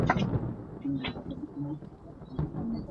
পূর্ণিয়া জেলা বিহারের পূর্ণিয়া বিভাগের অন্তর্গত।